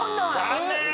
残念。